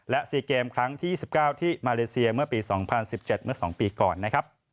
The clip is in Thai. และ๔เกมครั้งที่๒๙ที่มาเลเซียเมื่อปี๒๐๑๗เมื่อ๒ปีก่อนนะครับ